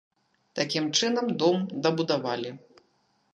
Такім чынам, дом дабудавалі.